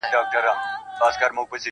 • فقیران لکه سېلونه د کارګانو -